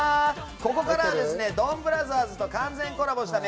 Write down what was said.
ここからは「ドンブラザーズ」と完全コラボした